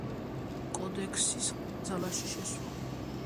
კოდექსის ძალაში შესვლა.